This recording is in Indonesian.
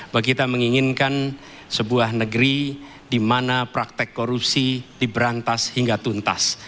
bahwa kita menginginkan sebuah negeri di mana praktek korupsi diberantas hingga tuntas